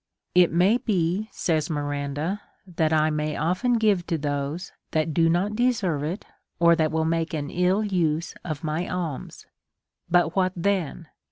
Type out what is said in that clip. It may be, says Miranda, that I may often give to those that do not deserve it, or that will make an ill use of my alms. But what then